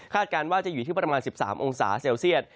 การว่าจะอยู่ที่ประมาณ๑๓องศาเซลเซียต